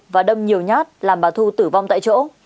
và đâm nhiều nhát làm bà thu tử vong tại chỗ